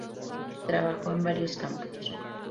Trabajó en varios campos.